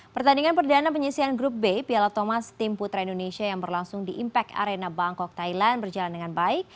pertandingan perdana penyisian grup b piala thomas tim putra indonesia yang berlangsung di impact arena bangkok thailand berjalan dengan baik